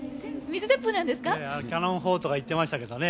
キャノン砲とか言ってましたけどね。